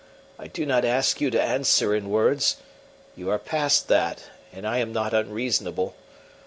I do not ask you to answer in words you are past that, and I am not unreasonable.